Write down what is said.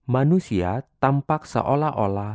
manusia tampak seolah olah